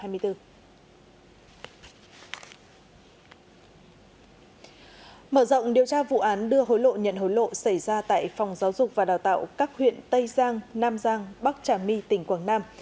mở rộng điều tra vụ án đưa hối lộ nhận hối lộ xảy ra tại phòng giáo dục và đào tạo các huyện tây giang nam giang bắc trà my tỉnh quảng nam